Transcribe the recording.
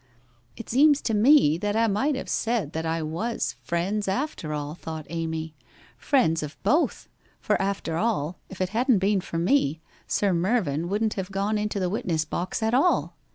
* It seems to me that I might have said that I was " Friends " after all,' thought Amy, * friends of both, for after all, if it hadn't been for me, Sir Mervyn wouldn't have gone into the witness box at all